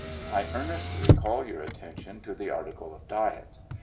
I earnestly call your attention to the article of diet.